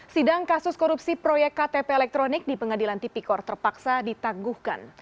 sidang kasus korupsi proyek ktp elektronik di pengadilan tipikor terpaksa ditangguhkan